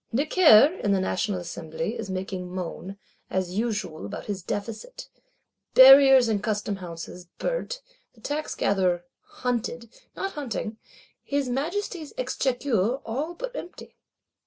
Necker, in the National Assembly, is making moan, as usual about his Deficit: Barriers and Customhouses burnt; the Tax gatherer hunted, not hunting; his Majesty's Exchequer all but empty.